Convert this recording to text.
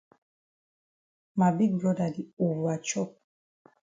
Ma big broda di over chop.